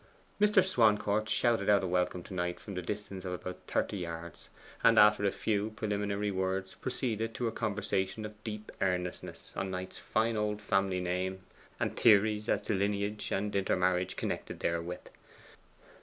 Mr. Swancourt shouted out a welcome to Knight from a distance of about thirty yards, and after a few preliminary words proceeded to a conversation of deep earnestness on Knight's fine old family name, and theories as to lineage and intermarriage connected therewith.